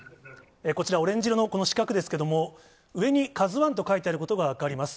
こちら、オレンジ色のこの四角ですけれども、上にカズワンと書いてあることが分かります。